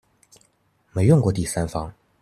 沒用過第三方